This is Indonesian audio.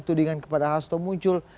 tudingan kepada hasto muncul